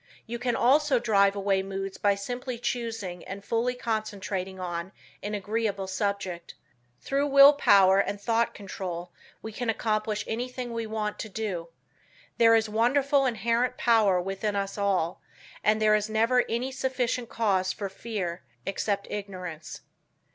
You can also drive away moods by simply choosing and fully concentrating on an agreeable subject. Through will power and thought control we can accomplish anything we want to do. There is wonderful inherent power within us all, and there is never any sufficient cause for fear, except ignorance.